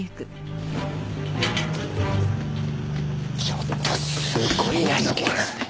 ちょっとすごい屋敷ですね。